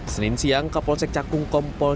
senin siang kapolsek cakung kompol